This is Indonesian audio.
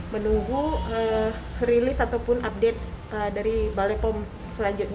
menunggu rilis ataupun update dari balai pom selanjutnya